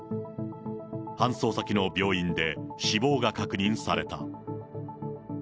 搬送先の病院で死亡が確認された。